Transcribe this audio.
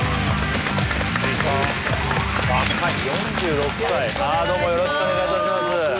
若い４６歳どうもよろしくお願いいたします